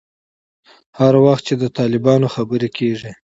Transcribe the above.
هر وخت چې د طالبانو خبره کېږي.